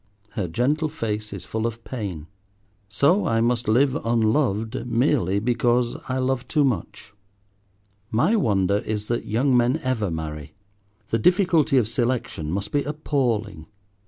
Her gentle face is full of pain. So I must live unloved merely because I love too much. My wonder is that young men ever marry. The difficulty of selection must be appalling.